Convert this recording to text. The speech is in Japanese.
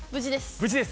無事です。